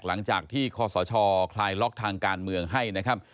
หลังจากที่คศคลายล็อกทางการเมืองให้นะครับ